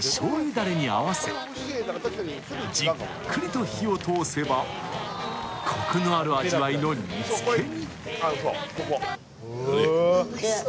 だれに合わせ、じっくりと火を通せば、コクのある味わいの煮つけに。